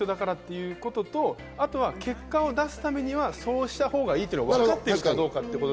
あとは結果を出すためにはそうしたほうがいいと分かっているかどうか。